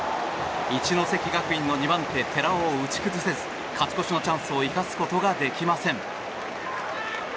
一関学院の２番手、寺尾を打ち崩せず勝ち越しのチャンスを生かすことができません。